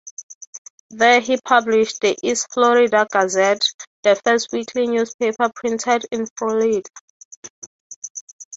There he published the "East Florida Gazette", the first weekly newspaper printed in Florida.